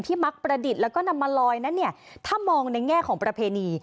ที่มักประดิษฐ์แล้วก็นำมาลอยถ้ามองในแง่ของประเพณี